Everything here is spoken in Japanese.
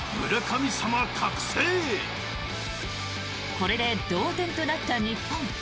これで同点となった日本。